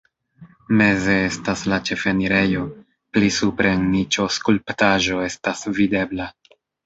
Meze estas la ĉefenirejo, pli supre en niĉo skulptaĵo estas videbla.